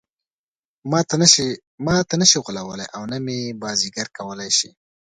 ماته نه شي غولولای او نه مې بازيګر کولای شي.